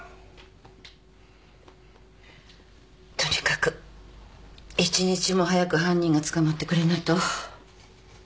とにかく１日も早く犯人が捕まってくれないと。